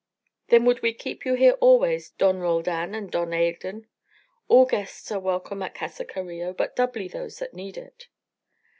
"Then would we keep you here always, Don Roldan and Don Adan. All guests are welcome at Casa Carillo, but doubly those that need it."